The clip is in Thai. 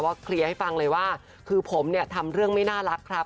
เคลียร์ให้ฟังเลยว่าคือผมเนี่ยทำเรื่องไม่น่ารักครับ